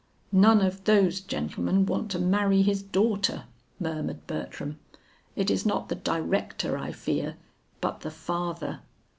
"None of those gentlemen want to marry his daughter," murmured Bertram. "It is not the director I fear, but the father.